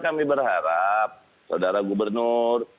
kami berharap saudara gubernur